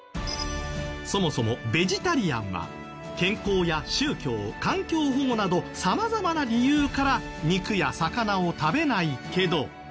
そもそもベジタリアンは健康や宗教環境保護など様々な理由から肉や魚を食べないけど。